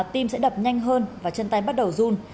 tim sẽ đập nhanh hơn và chân tay bắt đầu run